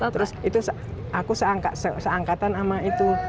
terus itu aku seangkatan sama itu